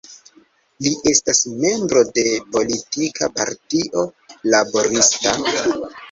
Li estas membro de politika partio laborista.